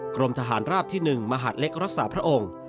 กรมทหารราบที่๑มหาดเล็กรักษาพระองค์